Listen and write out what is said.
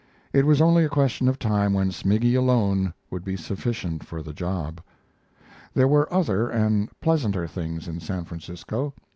It was only a question of time when Smiggy alone would be sufficient for the job. There were other and pleasanter things in San Francisco.